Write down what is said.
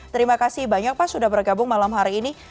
terima kasih banyak pak sudah bergabung malam hari ini